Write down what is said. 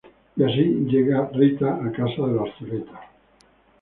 Y así llegó Rita a casa de los Zuleta.